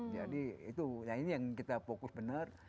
jadi itu yang ini yang kita fokus benar